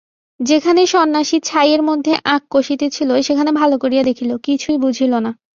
যেখানে সন্ন্যাসী ছাইয়ের মধ্যে আঁক কষিতেছিল সেখানে ভালো করিয়া দেখিল, কিছুই বুঝিল না।